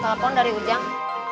telepon dari ujang